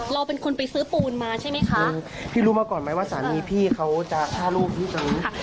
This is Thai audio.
เราเป็นคนไปซื้อปูนมาใช่ไหมคะพี่รู้มาก่อนไหมว่าสามีพี่เขาจะฆ่าลูกพี่คนนั้น